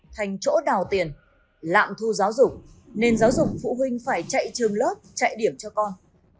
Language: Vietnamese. thành chỗ đào tiền lạm thu giáo dục nền giáo dục phụ huynh phải chạy trường lớp chạy điểm cho con